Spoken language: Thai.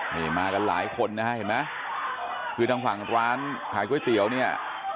นี่มากันหลายคนนะฮะเห็นไหมคือทางฝั่งร้านขายก๋วยเตี๋ยวเนี่ย